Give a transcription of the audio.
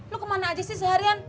lo kemana aja sih seharian